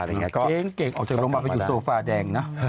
เกรกก็ออกจากโรงแบบไปอยู่โซฟาแดง